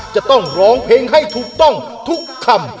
จะต้องร้องเพลงให้ถูกต้องทุกคำ